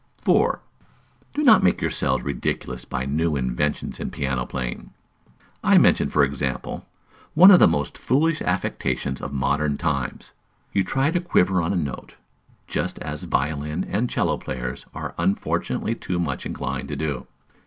4. Do not make yourselves ridiculous by new inventions in piano playing. I mention, for example, one of the most foolish affectations of modern times. You try to quiver on a note, just as violin and 'cello players are unfortunately too much inclined to do.